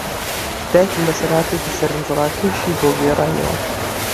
دایکم بەسەرهاتێکی سەرنجڕاکێشی بۆ گێڕاینەوە.